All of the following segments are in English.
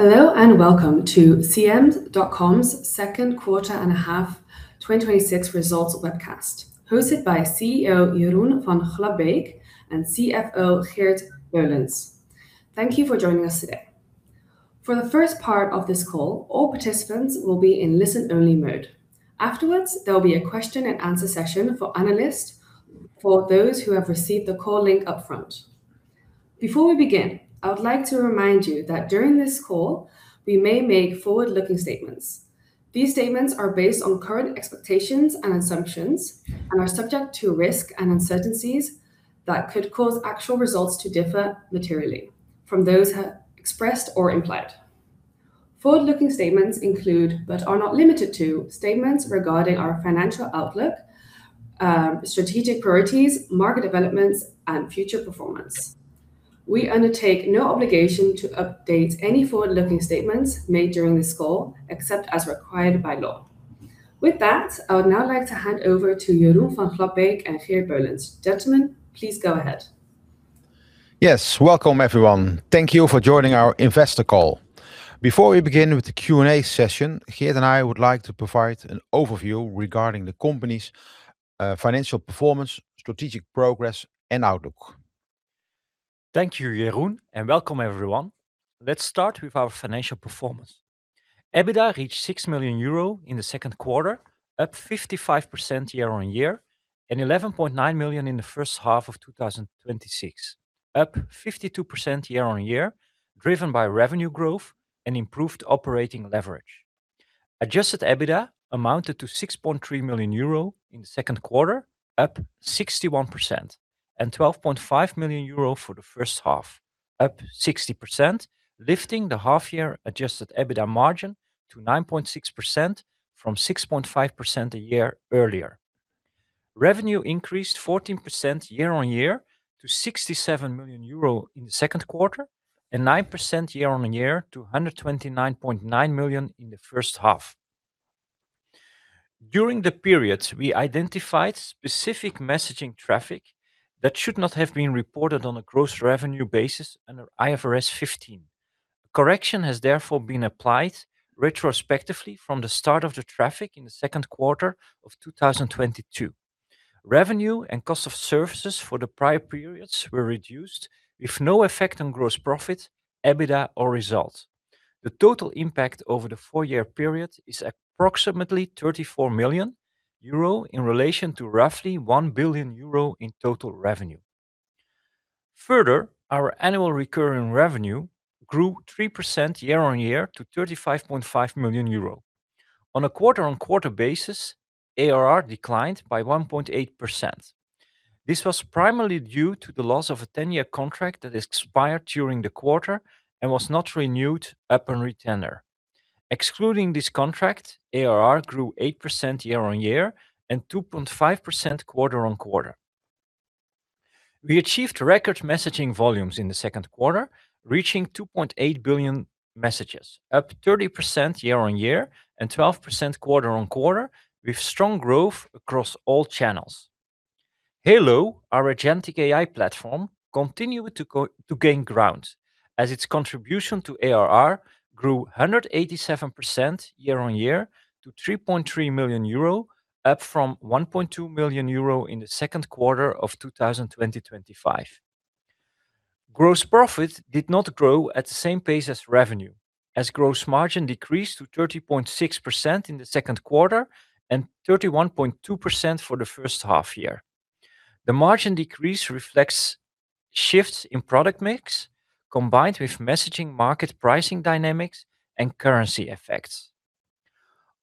Hello. Welcome to CM.com's second quarter and a half 2026 results webcast, hosted by CEO Jeroen van Glabbeek and CFO Geert Beullens. Thank you for joining us today. For the first part of this call, all participants will be in listen-only mode. Afterwards, there will be a question-and-answer session for analysts for those who have received the call link upfront. Before we begin, I would like to remind you that during this call, we may make forward-looking statements. These statements are based on current expectations and assumptions and are subject to risks and uncertainties that could cause actual results to differ materially from those expressed or implied. Forward-looking statements include, but are not limited to, statements regarding our financial outlook, strategic priorities, market developments, and future performance. We undertake no obligation to update any forward-looking statements made during this call, except as required by law. With that, I would now like to hand over to Jeroen van Glabbeek and Geert Beullens. Gentlemen, please go ahead. Welcome, everyone. Thank you for joining our investor call. Before we begin with the Q&A session, Geert and I would like to provide an overview regarding the company's financial performance, strategic progress, and outlook. Thank you, Jeroen. Welcome everyone. Let's start with our financial performance. EBITDA reached 6 million euro in the second quarter, up 55% year-on-year, and 11.9 million in the first half of 2026, up 52% year-on-year, driven by revenue growth and improved operating leverage. Adjusted EBITDA amounted to 6.3 million euro in the second quarter, up 61%, and 12.5 million euro for the first half, up 60%, lifting the half-year Adjusted EBITDA margin to 9.6% from 6.5% a year earlier. Revenue increased 14% year-on-year to 67 million euro in the second quarter, and 9% year-on-year to 129.9 million in the first half. During the period, we identified specific messaging traffic that should not have been reported on a gross revenue basis under IFRS 15. A correction has therefore been applied retrospectively from the start of the traffic in the second quarter of 2022. Revenue and cost of services for the prior periods were reduced with no effect on gross profit, EBITDA, or results. The total impact over the four-year period is approximately 34 million euro in relation to roughly 1 billion euro in total revenue. Further, our annual recurring revenue grew 3% year-on-year to 35.5 million euro. On a quarter-on-quarter basis, ARR declined by 1.8%. This was primarily due to the loss of a 10-year contract that expired during the quarter and was not renewed upon retainer. Excluding this contract, ARR grew 8% year-on-year and 2.5% quarter-on-quarter. We achieved record messaging volumes in the second quarter, reaching 2.8 billion messages, up 30% year-on-year and 12% quarter-on-quarter, with strong growth across all channels. HALO, our agentic AI platform, continued to gain ground as its contribution to ARR grew 187% year-on-year to 3.3 million euro, up from 1.2 million euro in the second quarter of 2025. Gross profit did not grow at the same pace as revenue, as gross margin decreased to 30.6% in the second quarter and 31.2% for the first half year. The margin decrease reflects shifts in product mix, combined with messaging market pricing dynamics and currency effects.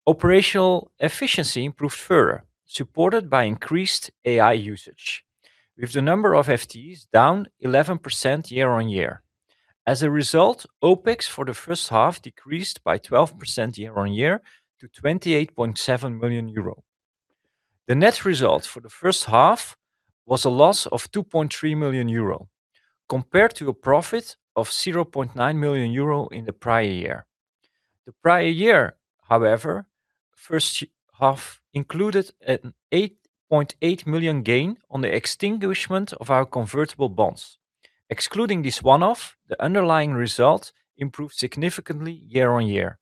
Operational efficiency improved further, supported by increased AI usage. With the number of FTEs down 11% year-on-year. As a result, OpEx for the first half decreased by 12% year-on-year to 28.7 million euro. The net result for the first half was a loss of 2.3 million euro compared to a profit of 0.9 million euro in the prior year. The prior year, however, first half included an 8.8 million gain on the extinguishment of our convertible bonds. Excluding this one-off, the underlying result improved significantly year-on-year.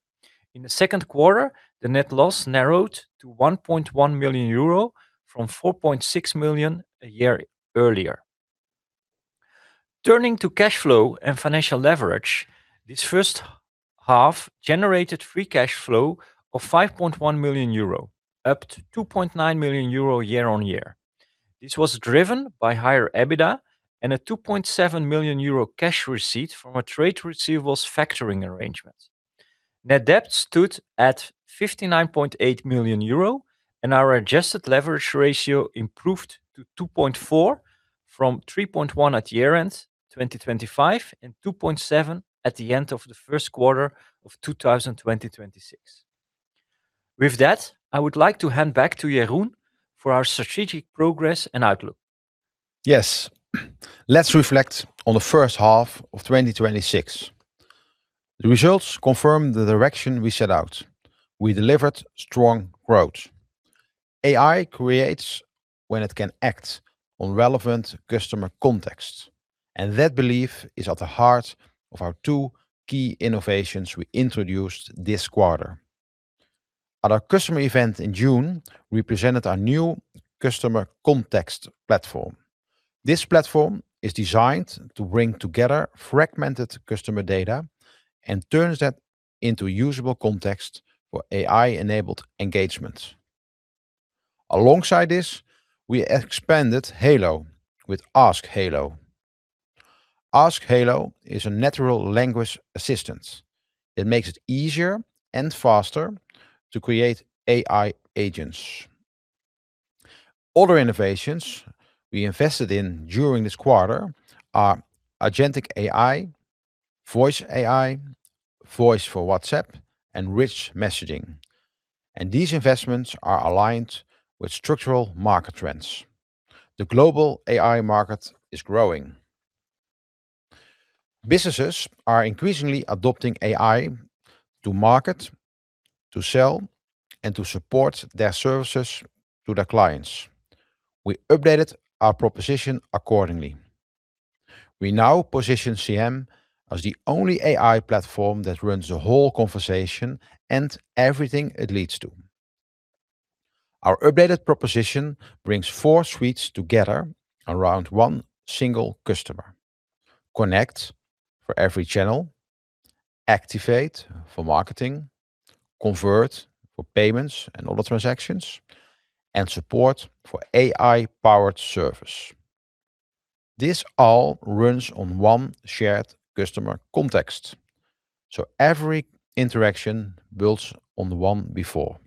In the second quarter, the net loss narrowed to 1.1 million euro from 4.6 million a year earlier. Turning to cash flow and financial leverage. This first half generated free cash flow of 5.1 million euro, up to 2.9 million euro year-on-year. This was driven by higher EBITDA and a 2.7 million euro cash receipt from a trade receivables factoring arrangement. Net debt stood at 59.8 million euro, and our adjusted leverage ratio improved to 2.4x from 3.1x at year-end 2025 and 2.7x at the end of the first quarter of 2026. With that, I would like to hand back to Jeroen for our strategic progress and outlook. Let's reflect on the first half of 2026. The results confirm the direction we set out. We delivered strong growth. AI creates when it can act on relevant customer context. That belief is at the heart of our two key innovations we introduced this quarter. At our customer event in June, we presented our new Customer Context Platform. This platform is designed to bring together fragmented customer data and turn that into usable context for AI-enabled engagements. Alongside this, we expanded HALO with Ask HALO. Ask HALO is a natural language assistant. It makes it easier and faster to create AI agents. Other innovations we invested in during this quarter are agentic AI, voice AI, voice for WhatsApp, and rich messaging. These investments are aligned with structural market trends. The global AI market is growing. Businesses are increasingly adopting AI to market, to sell, and to support their services to their clients. We updated our proposition accordingly. We now position CM as the only AI platform that runs the whole conversation and everything it leads to. Our updated proposition brings four suites together around one single customer. Connect for every channel, Activate for marketing, Convert for payments and other transactions, and Support for AI-powered service. This all runs on one shared customer context, so every interaction builds on the one before.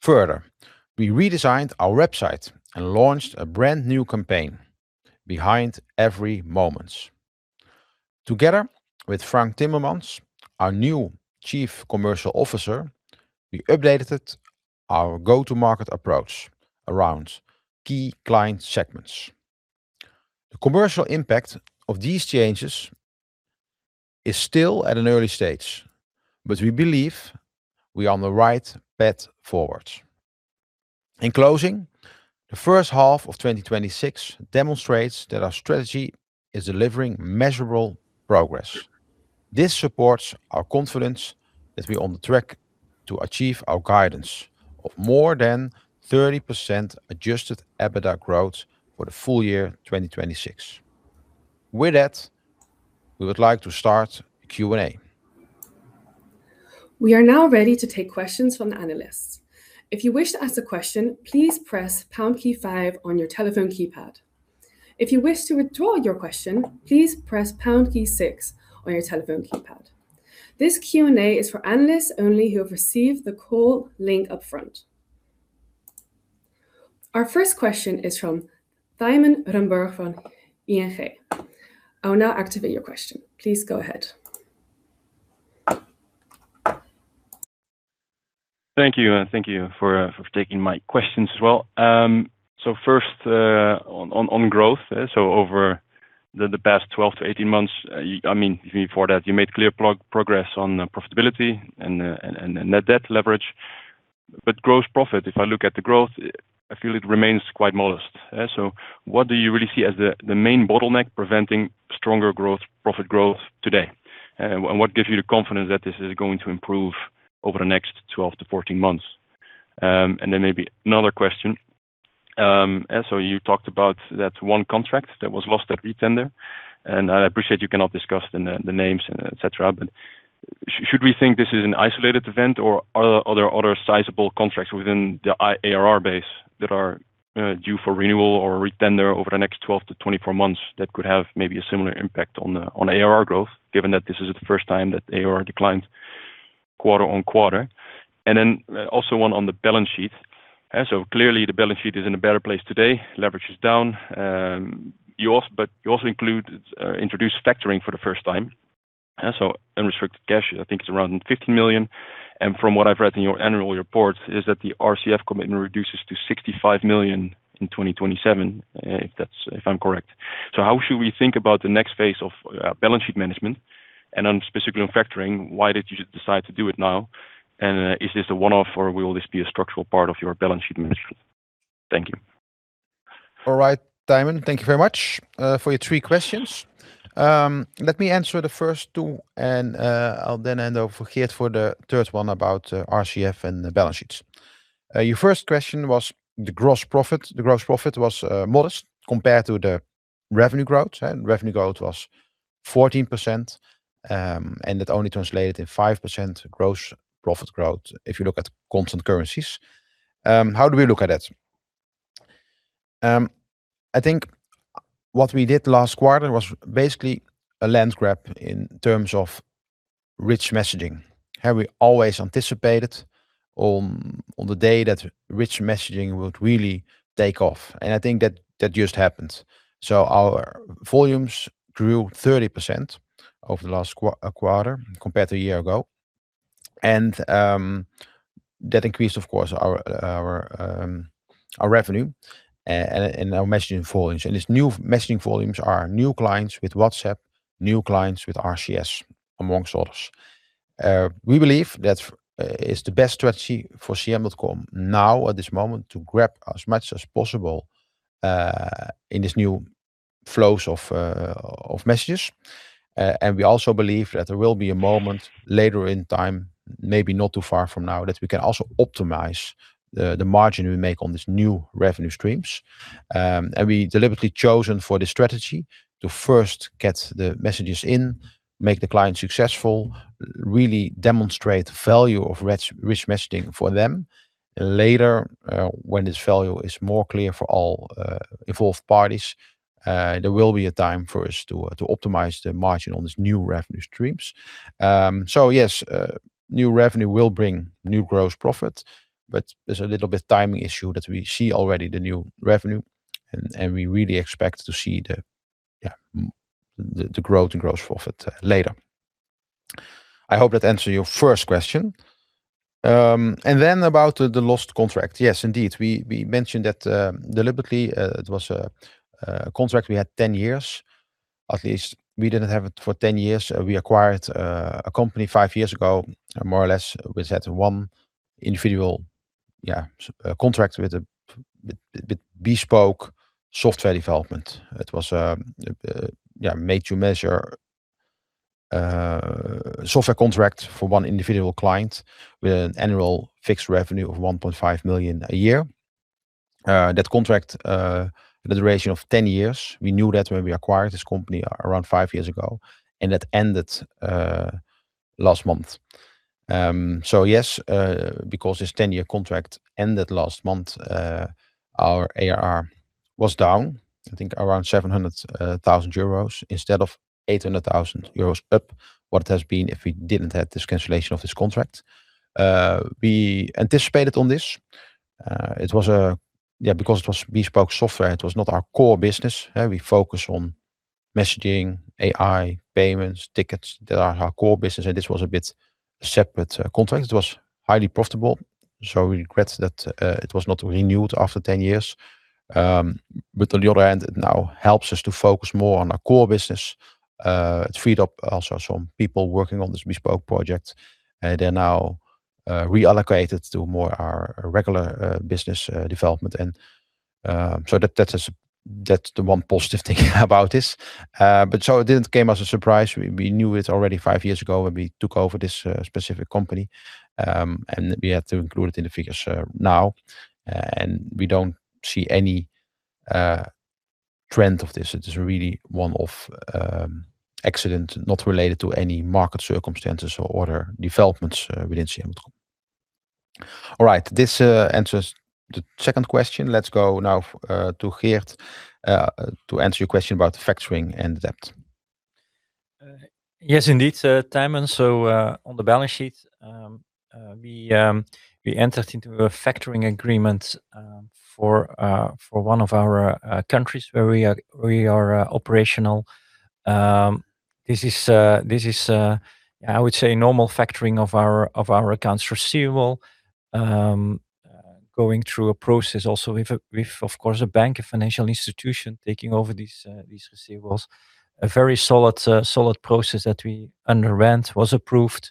Further, we redesigned our website and launched a brand-new campaign, Behind Every Moment. Together with Frank Timmermans, our new Chief Commercial Officer, we updated our go-to-market approach around key client segments. The commercial impact of these changes is still at an early stage, but we believe we are on the right path forward. In closing, the first half of 2026 demonstrates that our strategy is delivering measurable progress. This supports our confidence that we're on track to achieve our guidance of more than 30% Adjusted EBITDA growth for the full year 2026. With that, we would like to start the Q&A. We are now ready to take questions from the analysts. If you wish to ask a question, please press pound key five on your telephone keypad. If you wish to withdraw your question, please press pound key six on your telephone keypad. This Q&A is for analysts only who have received the call link up front. Our first question is from Thymen Rundberg from ING. I will now activate your question. Please go ahead. Thank you. Thank you for taking my questions as well. First, on growth. Over the past 12-18 months, even before that, you made clear progress on profitability and net debt leverage. Gross profit, if I look at the growth, I feel it remains quite modest. What do you really see as the main bottleneck preventing stronger profit growth today? What gives you the confidence that this is going to improve over the next 12-14 months? Then maybe another question. You talked about that one contract that was lost at retender, I appreciate you cannot discuss the names, et cetera, but should we think this is an isolated event or are there other sizable contracts within the ARR base that are due for renewal or retender over the next 12-24 months that could have maybe a similar impact on ARR growth, given that this is the first time that ARR declined quarter-over-quarter? Also one on the balance sheet. Clearly the balance sheet is in a better place today. Leverage is down. You also introduced factoring for the first time. Unrestricted cash I think is around 50 million. From what I've read in your annual report is that the RCF commitment reduces to 65 million in 2027, if I'm correct. How should we think about the next phase of balance sheet management? Specifically on factoring, why did you decide to do it now? Is this a one-off or will this be a structural part of your balance sheet management? Thank you. All right, Thymen, thank you very much for your three questions. Let me answer the first two, and I'll then hand over Geert for the third one about RCF and balance sheets. Your first question was the gross profit. The gross profit was modest compared to the revenue growth. Revenue growth was 14%, and it only translated in 5% gross profit growth if you look at constant currencies. How do we look at that? I think what we did last quarter was basically a land grab in terms of rich messaging. We always anticipated on the day that rich messaging would really take off, and I think that just happened. Our volumes grew 30% over the last quarter compared to a year ago. That increased, of course, our revenue and our messaging volumes. These new messaging volumes are new clients with WhatsApp, new clients with RCS, amongst others. We believe that it's the best strategy for CM.com now at this moment to grab as much as possible in these new flows of messages. We also believe that there will be a moment later in time, maybe not too far from now, that we can also optimize the margin we make on these new revenue streams. We deliberately chosen for the strategy to first get the messages in, make the client successful, really demonstrate the value of rich messaging for them. Later, when this value is more clear for all involved parties, there will be a time for us to optimize the margin on these new revenue streams. Yes, new revenue will bring new gross profit, but there's a little bit timing issue that we see already the new revenue and we really expect to see the growth and gross profit later. I hope that answer your first question. About the lost contract. Yes, indeed. We mentioned that deliberately. It was a contract we had 10 years. At least we didn't have it for 10 years, we acquired a company five years ago, more or less, which had one individual contract with a bespoke software development. It was a made-to-measure software contract for one individual client with an annual fixed revenue of 1.5 million a year. That contract had a duration of 10 years. We knew that when we acquired this company around five years ago. That ended last month. Yes, because this 10-year contract ended last month, our ARR was down, I think around 700,000 euros instead of 800,000 euros up what it has been if we didn't have this cancellation of this contract. We anticipated on this. It was bespoke software, it was not our core business. We focus on messaging, AI, payments, tickets. They are our core business, and this was a bit separate contract. It was highly profitable, so we regret that it was not renewed after 10 years. On the other hand, it now helps us to focus more on our core business. It freed up also some people working on this bespoke project. They're now reallocated to more our regular business development. That's the one positive thing about this. It didn't came as a surprise. We knew it already five years ago when we took over this specific company, and we had to include it in the figures now, and we don't see any trend of this. It is really one-off accident, not related to any market circumstances or other developments within CM.com. All right, this answers the second question. Let's go now to Geert to answer your question about the factoring and the debt. Yes, indeed, Thymen. On the balance sheet, we entered into a factoring agreement for one of our countries where we are operational. This is, I would say, normal factoring of our accounts receivable. Going through a process also with, of course, a bank, a financial institution taking over these receivables. A very solid process that we underwent was approved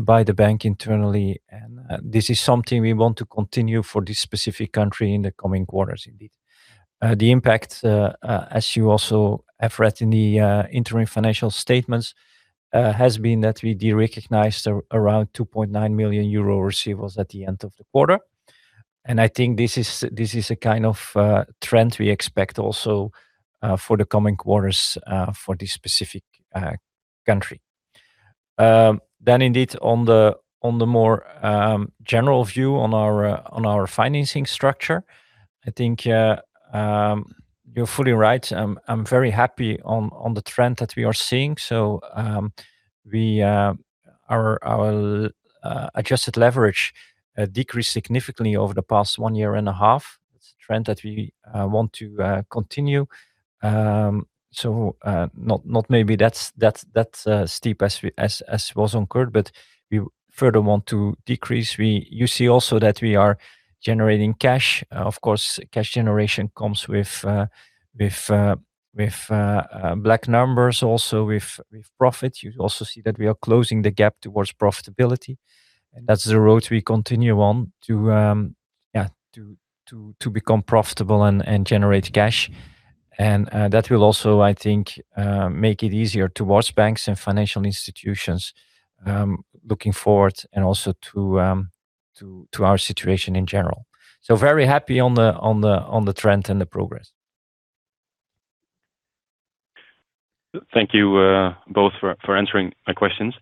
by the bank internally, and this is something we want to continue for this specific country in the coming quarters. The impact, as you also have read in the interim financial statements, has been that we derecognized around 2.9 million euro receivables at the end of the quarter. I think this is a kind of trend we expect also for the coming quarters for this specific country. Indeed on the more general view on our financing structure, I think you're fully right. I'm very happy on the trend that we are seeing. Our adjusted leverage decreased significantly over the past one year and a half. It's a trend that we want to continue. Not maybe that steep as was incurred, but we further want to decrease. You see also that we are generating cash. Of course, cash generation comes with black numbers also with profit. You also see that we are closing the gap towards profitability, and that's the road we continue on to become profitable and generate cash. That will also, I think, make it easier towards banks and financial institutions looking forward and also to our situation in general. Very happy on the trend and the progress. Thank you both for answering my questions.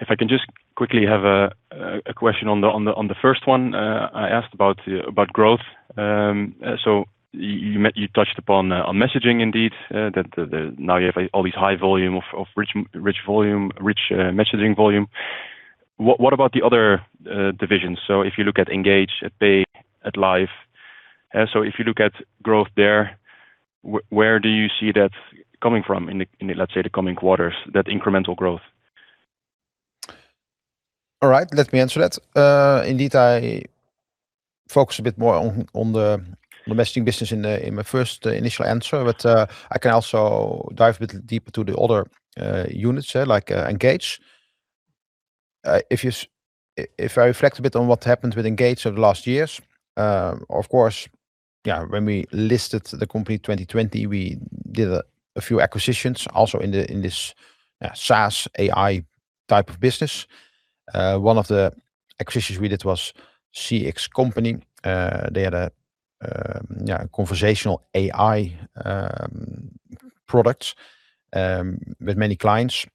If I can just quickly have a question. On the first one I asked about growth. You touched upon on messaging indeed, that now you have all this high volume of rich messaging volume. What about the other divisions? If you look at Engage, at Pay, at Live, if you look at growth there, where do you see that coming from in the, let's say the coming quarters, that incremental growth? All right, let me answer that. Indeed, I focus a bit more on the messaging business in my first initial answer, but I can also dive a bit deeper to the other units, like Engage. If I reflect a bit on what happened with Engage over the last years, of course, when we listed the company in 2020, we did a few acquisitions also in this SaaS AI type of business. One of the acquisitions we did was CX Company. They had a conversational AI product with many clients.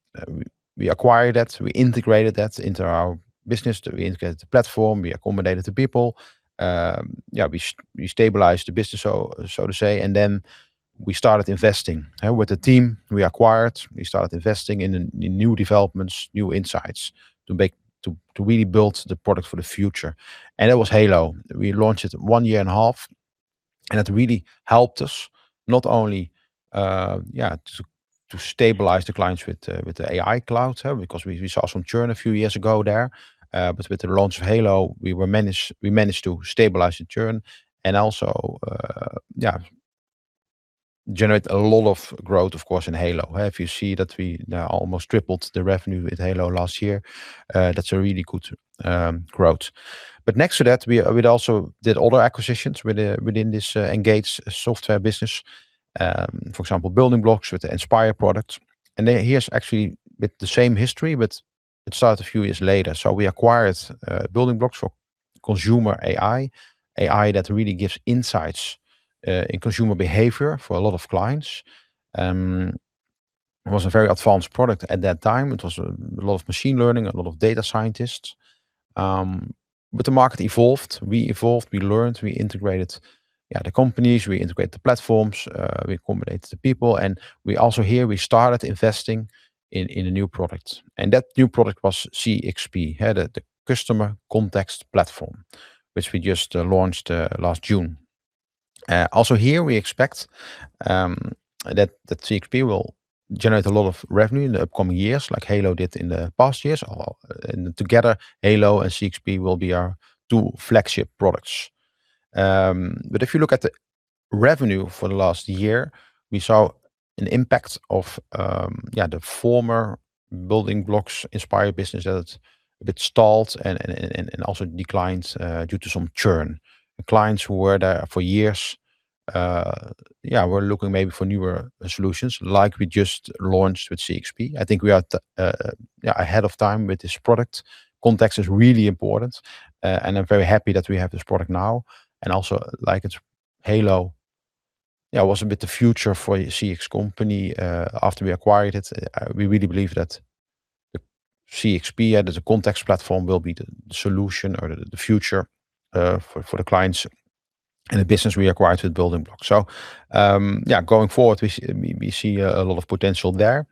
We acquired that, we integrated that into our business, we integrated the platform, we accommodated the people. We stabilized the business, so to say, then we started investing. With the team we acquired, we started investing in new developments, new insights to really build the product for the future. That was HALO. We launched it one year and a half. It really helped us not only to stabilize the clients with the AI cloud, because we saw some churn a few years ago there. With the launch of HALO, we managed to stabilize the churn and also generate a lot of growth, of course, in HALO. If you see that we now almost tripled the revenue with HALO last year, that's a really good growth. Next to that, we also did other acquisitions within this Engage software business. For example, Building Blocks with the Inspire product. Here's actually a bit the same history, but it started a few years later. We acquired Building Blocks for consumer AI. AI that really gives insights in consumer behavior for a lot of clients. It was a very advanced product at that time. It was a lot of machine learning, a lot of data scientists. The market evolved, we evolved, we learned, we integrated the companies, we integrated the platforms, we accommodated the people. Also here, we started investing in a new product. That new product was CXP, the Customer Context Platform, which we just launched last June. Also here, we expect that CXP will generate a lot of revenue in the upcoming years like HALO did in the past years. Together, HALO and CXP will be our two flagship products. If you look at the revenue for the last year, we saw an impact of the former Building Blocks Inspire business that a bit stalled and also declines due to some churn. Clients who were there for years were looking maybe for newer solutions, like we just launched with CXP. I think we are ahead of time with this product. Context is really important, and I'm very happy that we have this product now. Also like HALO, was a bit the future for CX Company after we acquired it. We really believe that the CXP as a context platform will be the solution or the future for the clients and the business we acquired with Building Blocks. Going forward, we see a lot of potential there.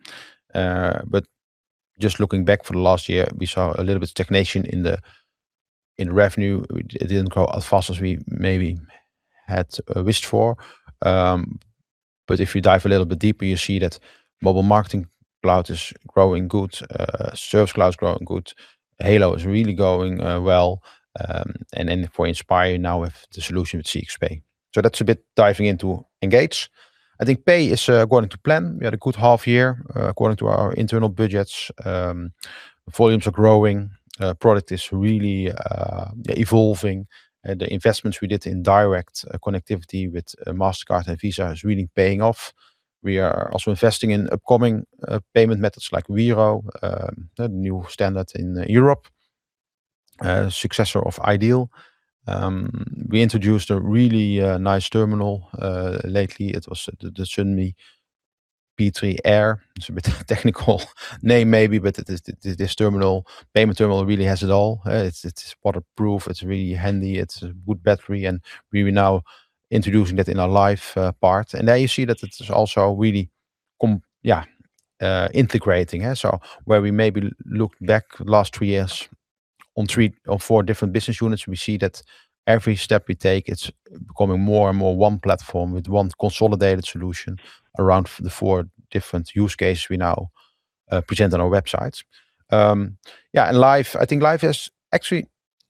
Just looking back for the last year, we saw a little bit of stagnation in revenue. It didn't grow as fast as we maybe had wished for. If you dive a little bit deeper, you see that Mobile Marketing Cloud is growing good, Service Cloud is growing good. HALO is really going well. Then for Inspire, now with the solution with CXP. That's a bit diving into Engage. I think Pay is going to plan. We had a good half year, according to our internal budgets. Volumes are growing, product is really evolving. The investments we did in direct connectivity with Mastercard and Visa is really paying off. We are also investing in upcoming payment methods like Wero, a new standard in Europe, successor of iDEAL. We introduced a really nice terminal, lately. It was the Sunmi P3 Air. It's a bit of a technical name maybe, but this payment terminal really has it all. It's waterproof. It's really handy. It's a good battery, and we were now introducing that in our Live part. There you see that it's also really integrating. Where we maybe look back last three years on three or four different business units, we see that every step we take, it's becoming more and more one platform with one consolidated solution around the four different use cases we now present on our websites. Live, I think Live is actually,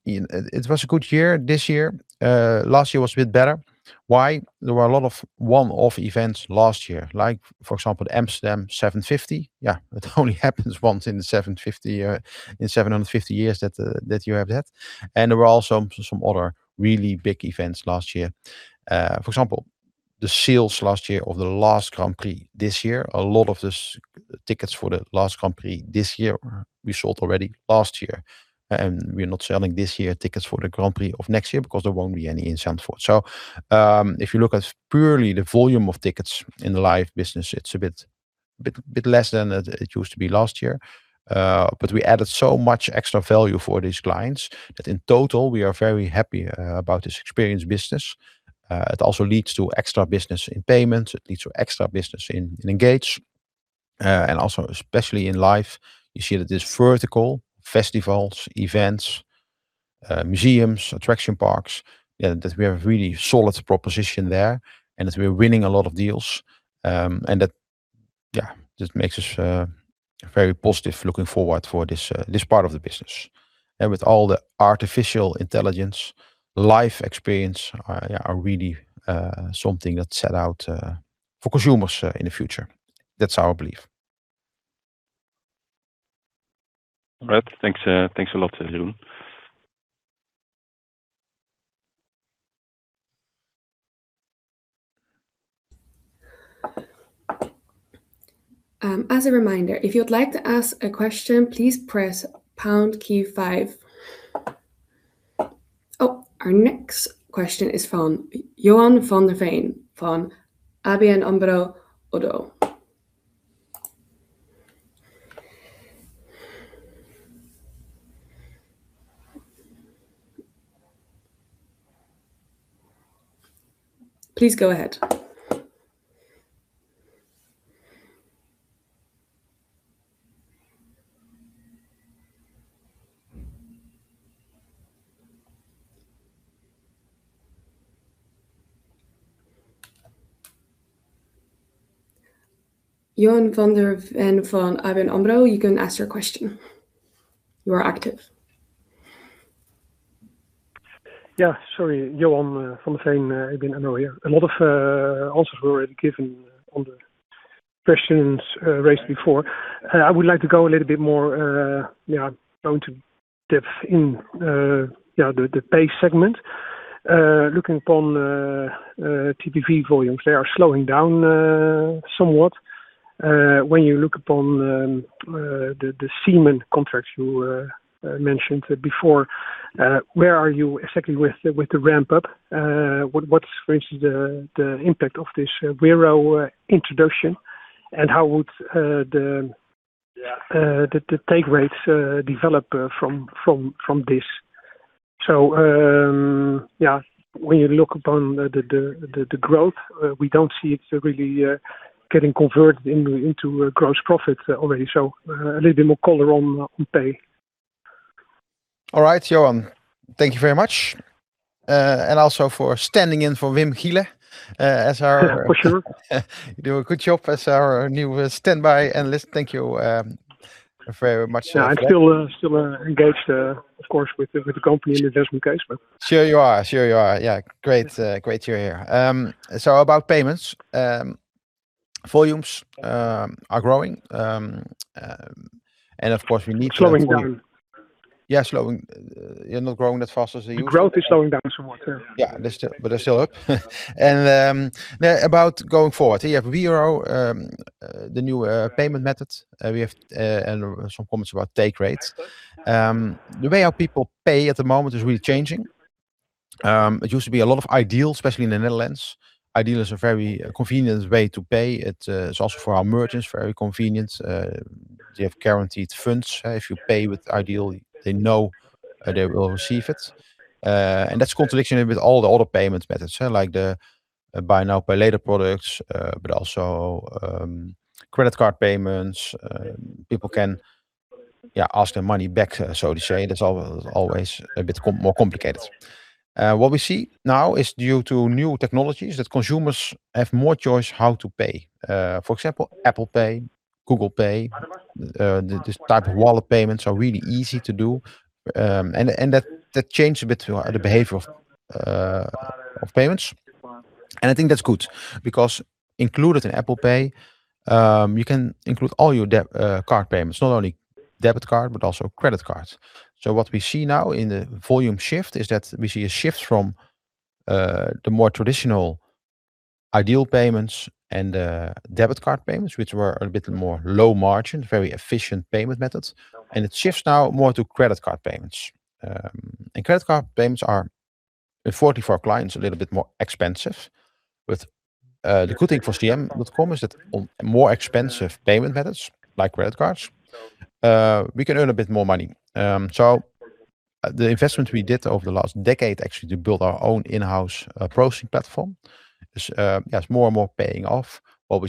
it was a good year this year. Last year was a bit better. Why? There were a lot of one-off events last year, like for example, Amsterdam 750. It only happens once in 750 years that you have that. There were also some other really big events last year. For example, the sales last year of the Dutch Grand Prix this year. A lot of these tickets for the Dutch Grand Prix this year were sold already last year. We are not selling this year tickets for the Grand Prix of next year because there won't be any in Zandvoort. If you look at purely the volume of tickets in the Live business, it's a bit less than it used to be last year. We added so much extra value for these clients that in total, we are very happy about this experience business. It also leads to extra business in payments. It leads to extra business in Engage. Also especially in Live, you see that this vertical, festivals, events, museums, attraction parks, that we have really solid proposition there and that we're winning a lot of deals. That just makes us very positive looking forward for this part of the business. With all the artificial intelligence, Live experience are really something that's set out for consumers in the future. That's our belief. All right. Thanks a lot, Jeroen. As a reminder, if you'd like to ask a question, please press pound key five. Our next question is from Johan Van Der Veen from ABN AMRO-ODDO BHF. Please go ahead. Johan Van Der Veen from ABN AMRO, you can ask your question. You are active. Sorry, Johan Van Der Veen, ABN AMRO here. A lot of answers were already given on the questions raised before. I would like to go a little bit more into depth in the Pay segment. Looking upon TPV volumes, they are slowing down somewhat. When you look upon the segment contracts you mentioned before, where are you exactly with the ramp-up? What's, for instance, the impact of this Wero introduction and how would the take rates develop from this? When you look upon the growth, we don't see it really getting converted into gross profit already. A little bit more color on Pay. All right, Johan. Thank you very much. Also for standing in for Wim Gille as our- For sure. You do a good job as our new standby analyst. Thank you very much for that. I'm still engaged, of course, with the company in the investment case, but- Sure you are. Great you're here. About payments, volumes are growing, and of course we need- Slowing down. Slowing. You're not growing as fast as you- The growth is slowing down somewhat. But they're still up. About going forward here, Wero, the new payment method we have and some comments about take rates. The way our people pay at the moment is really changing. It used to be a lot of iDEAL, especially in the Netherlands. iDEAL is a very convenient way to pay. It's also for our merchants, very convenient. They have guaranteed funds. If you pay with iDEAL, they know they will receive it. That's contradictory with all the other payment methods, like the buy now, pay later products, but also credit card payments. People can ask their money back, so to say. That's always a bit more complicated. What we see now is due to new technologies, that consumers have more choice how to pay. For example, Apple Pay, Google Pay, this type of wallet payments are really easy to do. That changed a bit the behavior of payments. I think that's good, because included in Apple Pay, you can include all your card payments. Not only debit card, but also credit cards. What we see now in the volume shift is that we see a shift from the more traditional iDEAL payments and debit card payments, which were a bit more low margin, very efficient payment methods. It shifts now more to credit card payments. Credit card payments are, for our clients, a little bit more expensive. The good thing for CM.com is that on more expensive payment methods, like credit cards, we can earn a bit more money. The investment we did over the last decade actually to build our own in-house processing platform is more and more paying off while we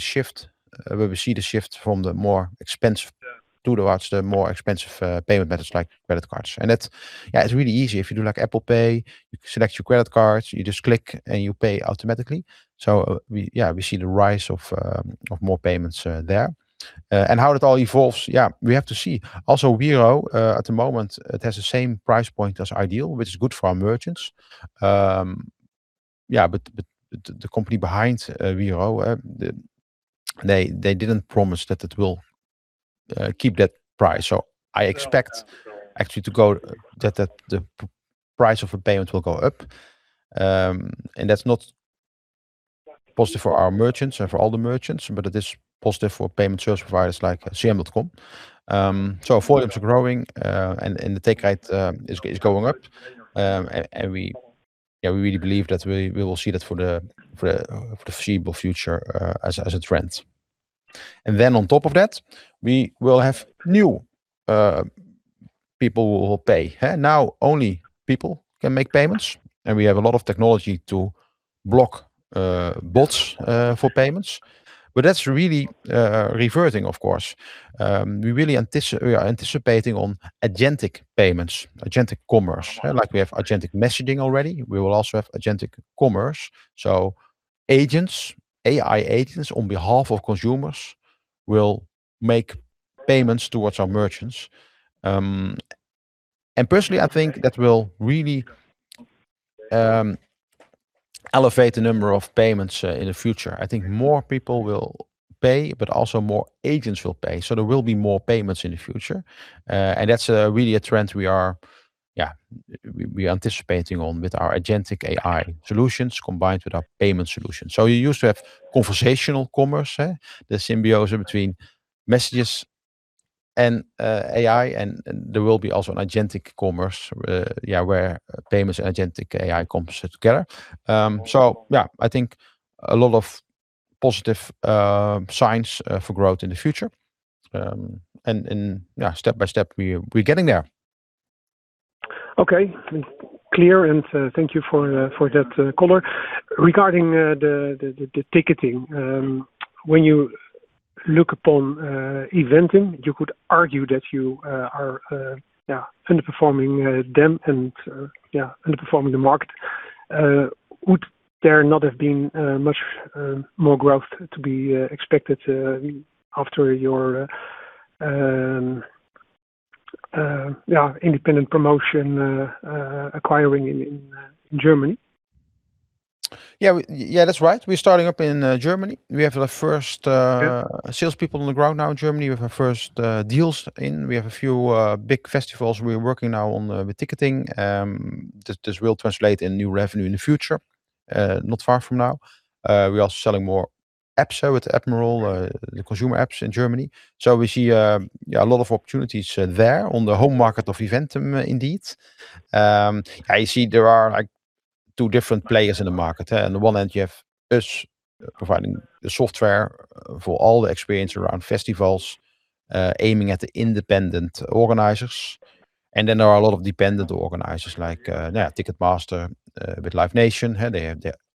see the shift from the more expensive towards the more expensive payment methods like credit cards. That's really easy. If you do Apple Pay, you select your credit cards, you just click, and you pay automatically. We see the rise of more payments there. How it all evolves, we have to see. Also, Wero, at the moment, it has the same price point as iDEAL, which is good for our merchants. The company behind Wero, they didn't promise that it will keep that price. I expect actually that the price of a payment will go up. That's not positive for our merchants or for all the merchants, but it is positive for payment service providers like CM.com. Volumes are growing, and the take rate is going up. We really believe that we will see that for the foreseeable future as a trend. Then on top of that, we will have new people who will pay. Now, only people can make payments, and we have a lot of technology to block bots for payments. That's really reverting, of course. We are anticipating on agentic payments, agentic commerce. Like we have agentic messaging already, we will also have agentic commerce. AI agents on behalf of consumers will make payments towards our merchants. Personally, I think that will really elevate the number of payments in the future. I think more people will pay, but also more agents will pay. There will be more payments in the future. That's really a trend we are anticipating on with our agentic AI solutions combined with our payment solutions. You used to have conversational commerce, the symbiosis between messages and AI, and there will be also an agentic commerce, where payments and agentic AI come together. I think a lot of positive signs for growth in the future. Step by step, we're getting there. Clear. Thank you for that color. Regarding the ticketing, when you look upon Eventim, you could argue that you are underperforming them and underperforming the market. Would there not have been much more growth to be expected after your independent promotion acquiring in Germany? That's right. We're starting up in Germany. We have our first salespeople on the ground now in Germany. We have our first deals in. We have a few big festivals we're working now on with ticketing. This will translate in new revenue in the future, not far from now. We are also selling more apps with Appmiral, the consumer apps in Germany. We see a lot of opportunities there on the home market of Eventim, indeed. I see there are two different players in the market. On the one hand, you have us providing the software for all the experience around festivals, aiming at the independent organizers. Then there are a lot of dependent organizers like Ticketmaster with Live Nation. They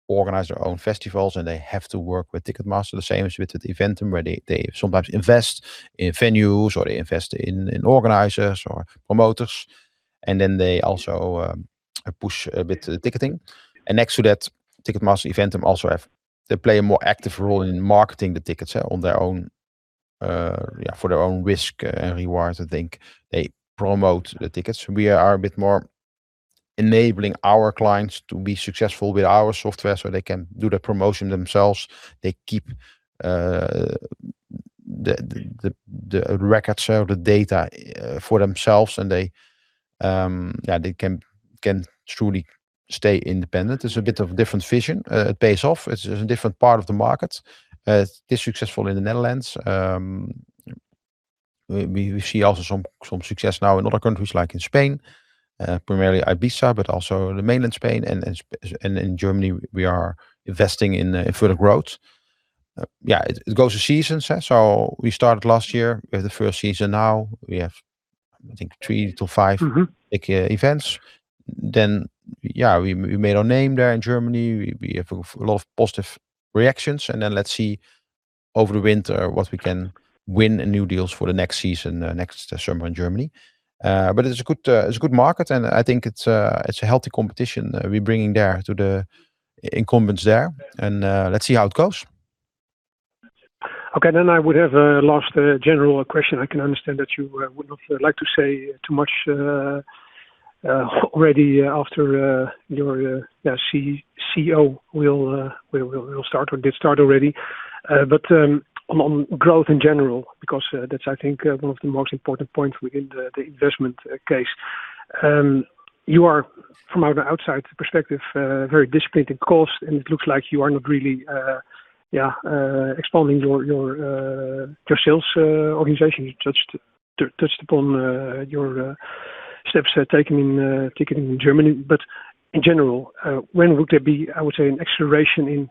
organize their own festivals, and they have to work with Ticketmaster, the same as with Eventim, where they sometimes invest in venues or they invest in organizers or promoters. Then they also push a bit the ticketing. Next to that, Ticketmaster and Eventim also play a more active role in marketing the tickets for their own risk and rewards. I think they promote the tickets. We are a bit more enabling our clients to be successful with our software so they can do the promotion themselves. They keep the records or the data for themselves, and they can truly stay independent. It's a bit of different vision. It pays off. It's a different part of the market. It is successful in the Netherlands. We see also some success now in other countries like in Spain, primarily Ibiza, but also the mainland Spain, and in Germany we are investing in further growth. It goes to seasons. We started last year. We have the first season now. We have, I think, three to five big events. We made our name there in Germany. We have a lot of positive reactions, and let's see over the winter what we can win new deals for the next season, next summer in Germany. It's a good market, and I think it's a healthy competition we're bringing there to the incumbents there, and let's see how it goes. I would have last general question. I can understand that you would not like to say too much already after your CCO did start already. On growth in general, because that's, I think, one of the most important points within the investment case. You are, from an outside perspective, very disciplined in cost, and it looks like you are not really expanding your sales organization. You touched upon your steps taken in ticketing in Germany. In general, when would there be, I would say, an acceleration in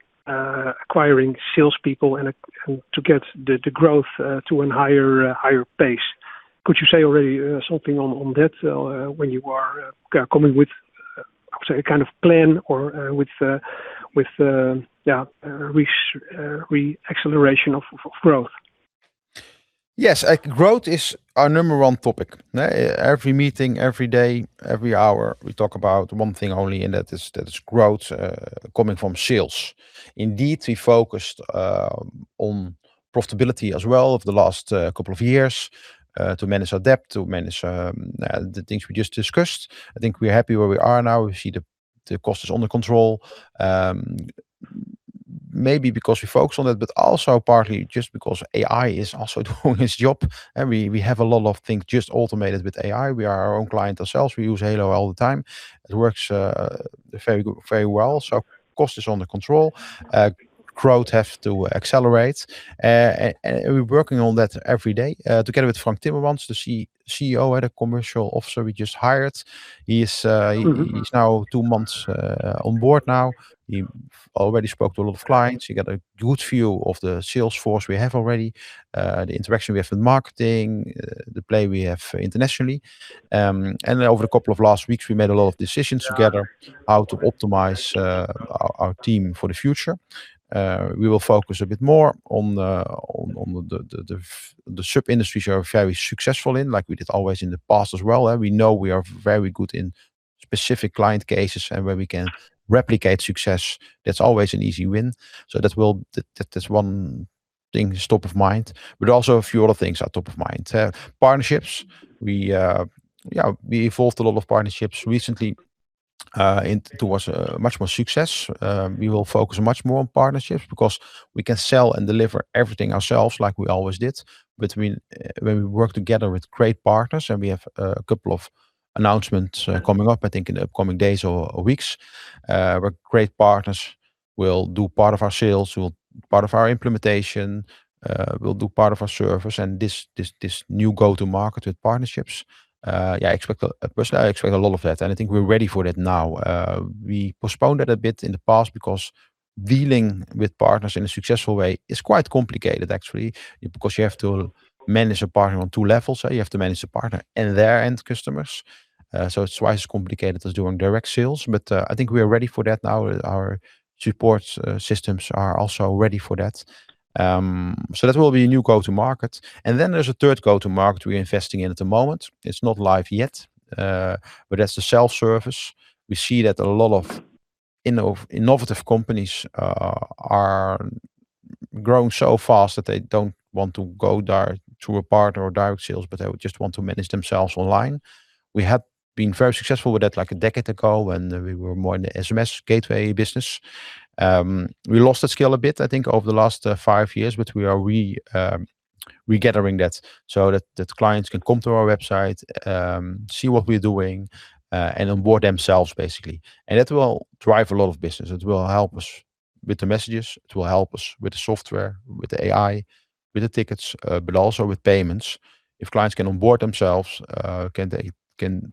acquiring salespeople and to get the growth to an higher pace? Could you say already something on that when you are coming with, I would say a kind of plan or with re-acceleration of growth? Growth is our number one topic. Every meeting, every day, every hour, we talk about one thing only, and that is growth coming from sales. Indeed, we focused on profitability as well over the last couple of years to manage our debt, to manage the things we just discussed. I think we're happy where we are now. We see the cost is under control. Maybe because we focus on that, but also partly just because AI is also doing its job, and we have a lot of things just automated with AI. We are our own client ourselves. We use HALO all the time. It works very well. Cost is under control. Growth have to accelerate. We're working on that every day, together with Frank Timmermans, the CCO and a Commercial Officer we just hired. He's now two months on board now. He already spoke to a lot of clients. He got a good view of the sales force we have already, the interaction we have with marketing, the play we have internationally. Over the couple of last weeks, we made a lot of decisions together how to optimize our team for the future. We will focus a bit more on the ship industries are very successful in, like we did always in the past as well. We know we are very good in specific client cases and where we can replicate success, that's always an easy win. That's one thing is top of mind, but also a few other things are top of mind. Partnerships, we evolved a lot of partnerships recently towards much more success. We will focus much more on partnerships because we can sell and deliver everything ourselves like we always did. When we work together with great partners, we have a couple of announcements coming up, I think, in the upcoming days or weeks, where great partners will do part of our sales, part of our implementation, will do part of our service, and this new go-to market with partnerships, I expect a lot of that. I think we're ready for that now. We postponed it a bit in the past because dealing with partners in a successful way is quite complicated actually, because you have to manage a partner on two levels. You have to manage the partner and their end customers. It's twice as complicated as doing direct sales, but I think we are ready for that now. Our support systems are also ready for that. That will be a new go-to market. There's a third go-to market we're investing in at the moment. It's not live yet, but that's the self-service. We see that a lot of innovative companies are growing so fast that they don't want to go through a partner or direct sales, but they just want to manage themselves online. We had been very successful with that a decade ago when we were more in the SMS gateway business. We lost that skill a bit, I think, over the last five years, but we are regathering that so that clients can come to our website, see what we're doing, and onboard themselves basically. That will drive a lot of business. It will help us with the messages, it will help us with the software, with the AI, with the tickets, but also with payments. If clients can onboard themselves, they can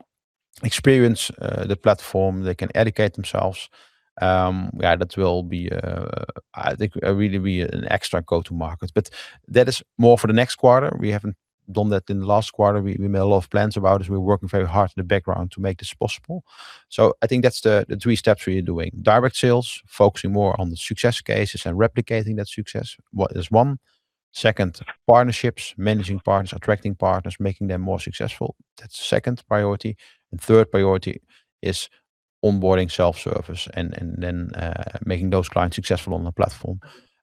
experience the platform, they can educate themselves, that will be, I think, really be an extra go-to market. That is more for the next quarter. We haven't done that in the last quarter. We made a lot of plans about it. We're working very hard in the background to make this possible. I think that's the three steps we are doing. Direct sales, focusing more on the success cases and replicating that success is one. Second, partnerships, managing partners, attracting partners, making them more successful. That's second priority. Third priority is onboarding self-service, and then making those clients successful on the platform.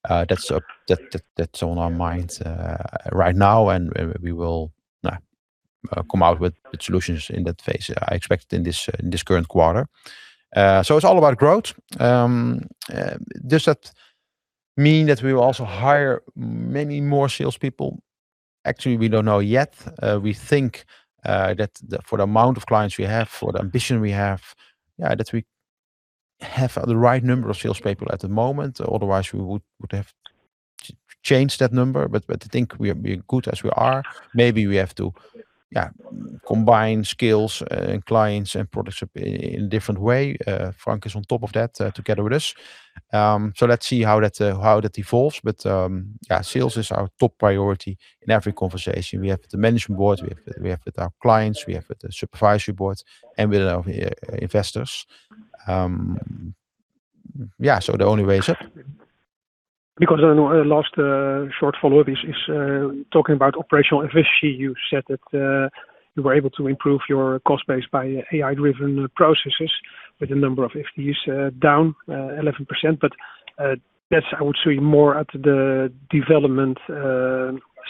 That's on our minds right now, and we will come out with solutions in that phase, I expect, in this current quarter. It's all about growth. Does that mean that we will also hire many more salespeople? Actually, we don't know yet. We think that for the amount of clients we have, for the ambition we have, that we have the right number of salespeople at the moment. Otherwise, we would have to change that number. I think we are good as we are. Maybe we have to combine skills and clients and products in a different way. Frank is on top of that together with us. Let's see how that evolves. Sales is our top priority in every conversation we have with the management board, we have with our clients, we have with the supervisory boards, and with our investors. The only way is up. The last short follow-up is talking about operational efficiency. You said that you were able to improve your cost base by AI-driven processes with a number of FTEs down 11%. That's, I would say, more at the development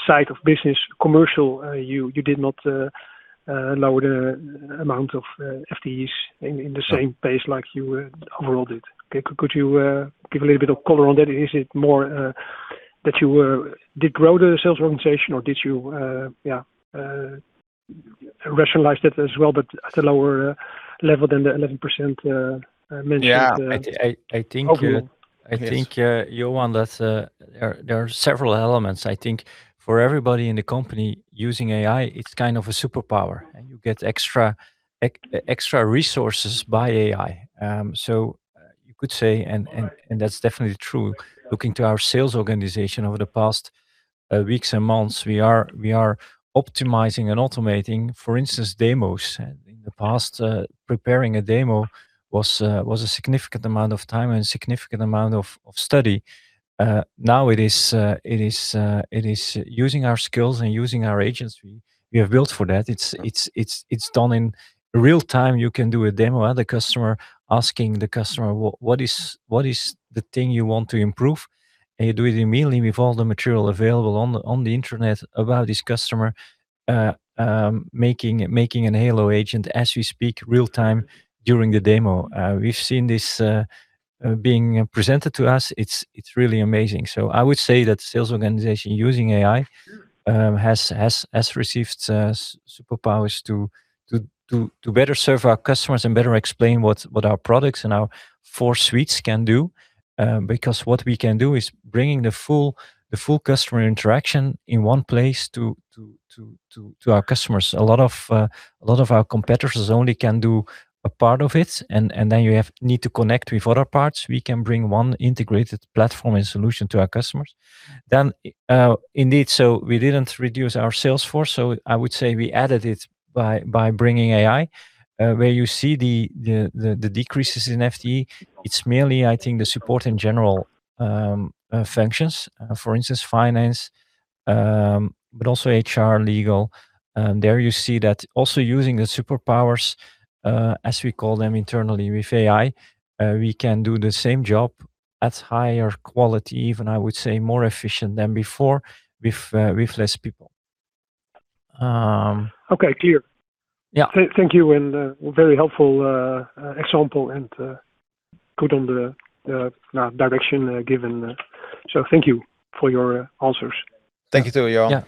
side of business commercial. You did not lower the amount of FTEs in the same pace like you overall did. Could you give a little bit of color on that? Is it more that you did grow the sales organization or did you rationalize that as well, but at a lower level than the 11% mentioned? I think, Johan, that there are several elements. I think for everybody in the company using AI, it's kind of a superpower, and you get extra resources by AI. You could say, and that's definitely true, looking to our sales organization over the past weeks and months, we are optimizing and automating, for instance, demos. In the past, preparing a demo was a significant amount of time and a significant amount of study. Now, it is using our skills and using our agents we have built for that. It's done in real time. You can do a demo at the customer, asking the customer, what is the thing you want to improve? You do it immediately with all the material available on the internet about this customer, making a HALO agent as we speak real-time during the demo. We've seen this being presented to us. It's really amazing. I would say that sales organization using AI has received superpowers to better serve our customers and better explain what our products and our four suites can do. What we can do is bringing the full customer interaction in one place to our customers. A lot of our competitors only can do a part of it, and you need to connect with other parts. We can bring one integrated platform and solution to our customers. Indeed, we didn't reduce our sales force, I would say we added it by bringing AI. Where you see the decreases in FTE, it's merely, I think, the support in general functions. For instance, finance, but also HR, legal. There you see that also using the superpowers, as we call them internally with AI, we can do the same job at higher quality even, I would say, more efficient than before with less people. Clear. Thank you. Very helpful example and good on the direction given. Thank you for your answers. Thank you too, Johan.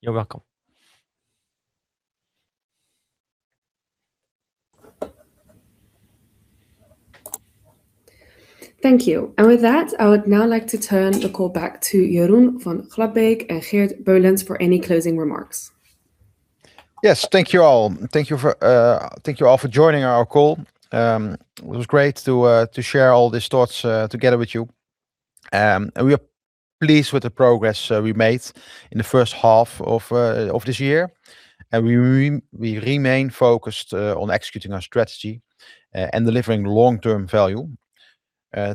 You're welcome. Thank you. With that, I would now like to turn the call back to Jeroen van Glabbeek and Geert Beullens for any closing remarks. Thank you, all. Thank you all for joining our call. It was great to share all these thoughts together with you. We are pleased with the progress we made in the first half of this year. We remain focused on executing our strategy, and delivering long-term value.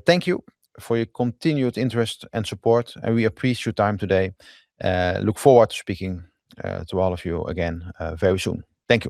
Thank you for your continued interest and support, and we appreciate your time today. Look forward to speaking to all of you again very soon. Thank you.